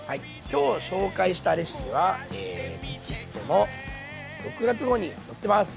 今日紹介したレシピはえテキストの６月号に載ってます。